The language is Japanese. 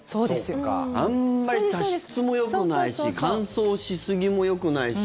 あんまり加湿もよくないし乾燥しすぎもよくないし。